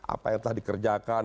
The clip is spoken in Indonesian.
apa yang telah dikerjakan